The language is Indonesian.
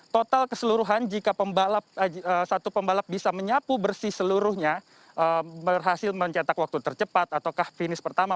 total keseluruhan jika satu pembalap bisa menyapu bersih seluruhnya berhasil mencetak waktu tercepat ataukah finish pertama